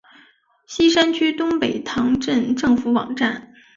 锡山区东北塘镇政府网站